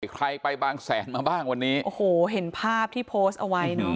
ใครไปบางแสนมาบ้างวันนี้โอ้โหเห็นภาพที่โพสต์เอาไว้เนอะ